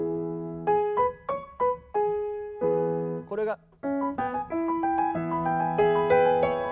これが。